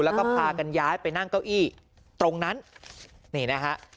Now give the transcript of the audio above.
แล้วก็พากันย้ายไปนั่งเก้าอี้ตรงนั้นนี่นะฮะ